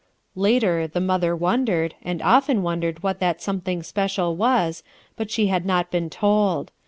Later, the mother wondered, and often wondered what that something special was, but she had not l^een told.